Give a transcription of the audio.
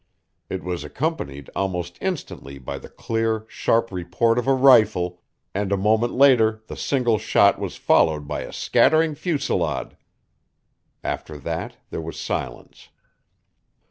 It was accompanied almost instantly by the clear, sharp report of a rifle, and a moment later the single shot was followed by a scattering fusillade. After that there was silence.